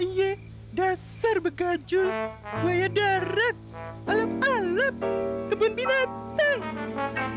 iya dasar begajul buaya darat alam alap kebun binatang